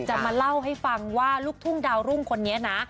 จะมาเล่าให้ฟังว่าลูกทุ่งดาวรุ่งคนนี้นะ